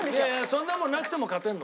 そんなもんなくても勝てるの。